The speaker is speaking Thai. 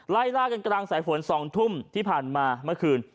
ไล่ล่ากันกลางสายฝน๒ทุ่มที่ผ่านมาเมื่อคืน